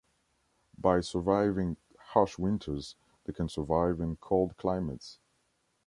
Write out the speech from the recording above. By surviving harsh winters, they can survive in cold climates.